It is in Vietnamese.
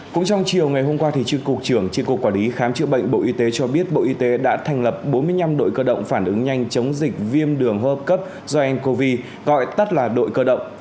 cũng trong chiều ngày hôm qua tri cục trưởng tri cục quản lý khám chữa bệnh bộ y tế cho biết bộ y tế đã thành lập bốn mươi năm đội cơ động phản ứng nhanh chống dịch viêm đường hô hấp cấp do ncov gọi tắt là đội cơ động